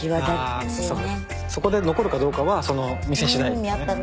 そこで残るかどうかはその店しだいですね。